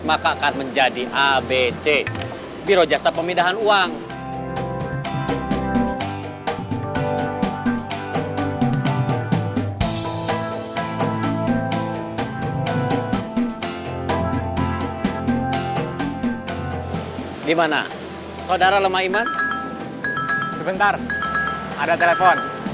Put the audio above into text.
maka akan menjadi abc biro jasa pemindahan uang gimana saudara lemah iman sebentar ada telepon